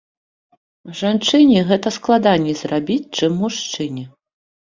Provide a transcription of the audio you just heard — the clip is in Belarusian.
Жанчыне гэта складаней зрабіць, чым мужчыне.